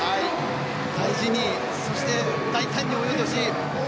大事にそして大胆に泳いでほしい。